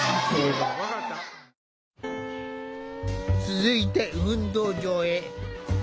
続いて運動場へ。